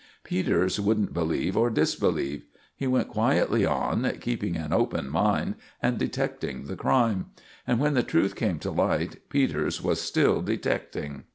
Peters wouldn't believe or disbelieve. He went quietly on, keeping an open mind and detecting the crime; and when the truth came to light, Peters was still detecting.